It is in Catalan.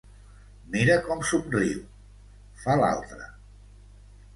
Mira com somriu, fa l'altra.